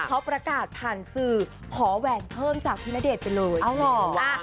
เขาประกาศผ่านสื่อขอแหวนเพิ่มจากพี่ณเดชน์ไปเลยเอาเหรอ